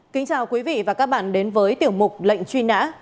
kính chào quý vị và các bạn đến với tiểu mục lệnh truy nã